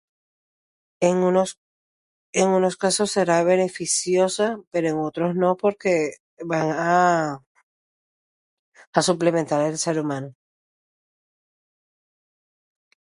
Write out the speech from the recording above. En unos... en unos casos será beneficiosa pero en otros no porque van a... a suplementar al ser humano.